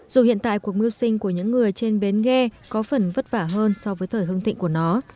dù hiện tại cuộc mưu sinh của những người trên bến ghe có phần vất vả hơn so với thời hương thịnh của nó